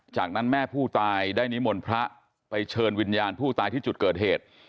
จากนั้นแม่ผู้ตายได้นิมนต์พระไปเชิญวิญญาณผู้ตายที่จุดเกิดเหตุ